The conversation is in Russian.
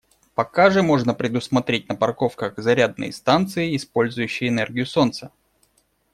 Пока же можно предусмотреть на парковках зарядные станции, использующие энергию солнца.